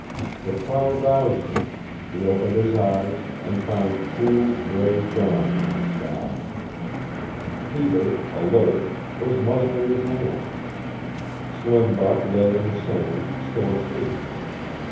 The cry roused him. He opened his eyes, and found cool, gray dawn in the sky. Peter, alert, was muzzling his hand. Slim Buck lay in the sand, still asleep.